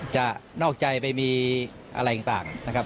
นอกใจไปมีอะไรต่างนะครับ